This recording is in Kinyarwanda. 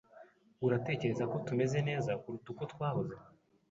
Uratekereza ko tumeze neza kuruta uko twahoze?